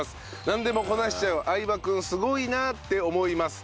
なんでもこなしちゃう相葉君すごいなって思います。